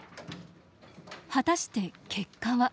果たして結果は？